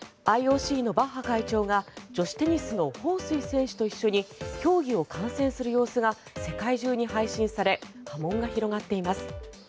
ＩＯＣのバッハ会長が女子テニスのホウ・スイ選手と一緒に競技を観戦する様子が世界中に配信され波紋が広がっています。